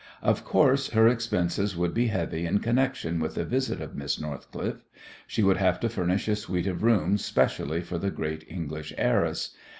Of course her expenses would be heavy in connection with the visit of Miss Northcliffe. She would have to furnish a suite of rooms specially for the great English heiress.